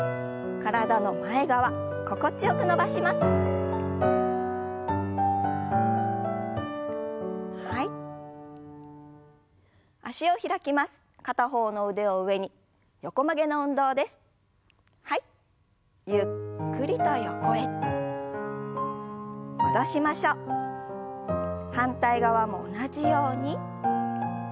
反対側も同じように。